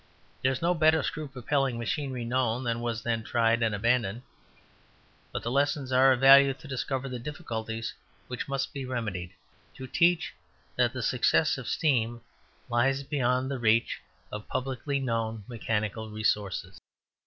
There is no better screw propelling machinery known than was then tried and abandoned; but the lessons are of value to discover the difficulties which must be remedied; to teach that the success of steam lies beyond the reach of publicly known mechanical resources.